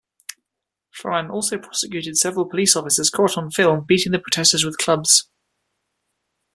Foran also prosecuted several police officers caught on film beating the protestors with clubs.